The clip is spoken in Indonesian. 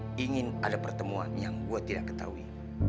saya ingin ada pertemuan yang gue tidak ketahui